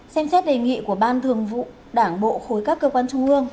xem xét đề nghị của ban thường vụ đảng bộ khối các cơ quan trung ương